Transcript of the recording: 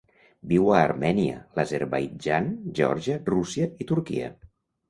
Viu a Armènia, l'Azerbaidjan, Geòrgia, Rússia i Turquia.